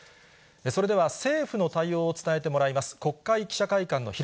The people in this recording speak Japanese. それでは政府の対応を伝えてもらいます。